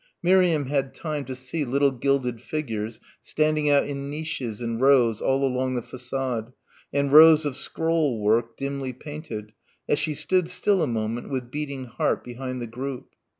Miriam had time to see little gilded figures standing out in niches in rows all along the façade and rows of scrollwork dimly painted, as she stood still a moment with beating heart behind the group.